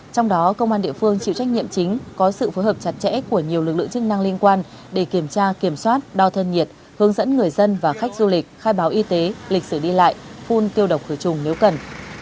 trong đó công an địa phương chịu trách nhiệm chính có sự phối hợp chặt chẽ của nhiều lực lượng chức năng liên quan để kiểm tra kiểm soát đo thân nhiệt hướng dẫn người dân và khách du lịch khai báo y tế lịch sử đi lại phun tiêu độc khởi trùng nếu cần